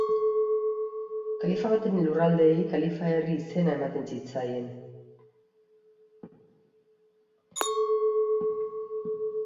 Kalifa baten lurraldeei kalifa-herri izena ematen zitzaien.